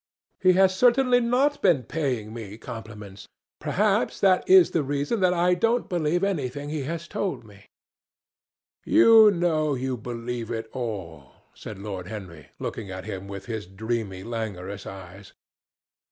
"He has certainly not been paying me compliments. Perhaps that is the reason that I don't believe anything he has told me." "You know you believe it all," said Lord Henry, looking at him with his dreamy languorous eyes.